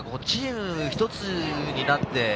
チーム一つになって。